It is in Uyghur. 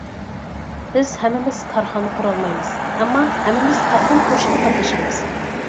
بىز ھەممىمىز كارخانا قۇرالمايمىز، ئەمما ھەممىمىز كارخانا قۇرۇشقا قاتنىشىمىز.